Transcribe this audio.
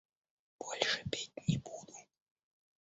Больше петь не буду.